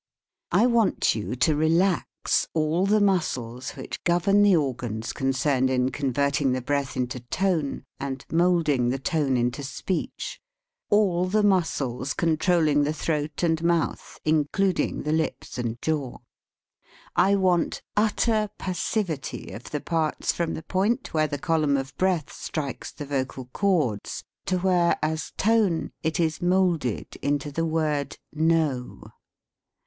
I want you to re lax all the muscles which govern the organs THE SPEAKING VOICE concerned in converting the breath into tone and moulding the tone into speech, all the muscles controlling the throat and mouth, including the lips and jaw. I want utter passivity of the parts from the point where the column of breath strikes the vocal cords to where, as tone, it is moulded into the word "No."